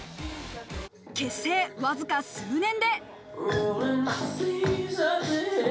結成わずか数年で。